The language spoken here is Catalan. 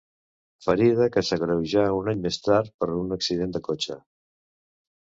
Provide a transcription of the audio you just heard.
Ferida que s'agreujà un any més tard per un accident de cotxe.